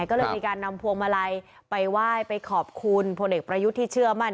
ก็เลยมีการนำพวงมาลัยไปไหว้ไปขอบคุณพลเอกประยุทธ์ที่เชื่อมั่น